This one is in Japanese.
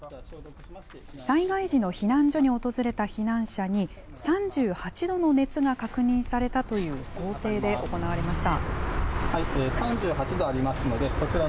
災害時の避難所に訪れた避難者に、３８度の熱が確認されたという想定で行われました。